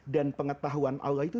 dan pengetahuan allah itu